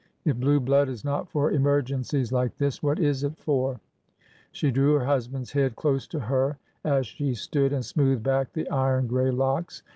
If blue blood is not for emergencies like this, what is it for? She drew her hus band's head close to her as she stood, and smoothed back the iron gray locks.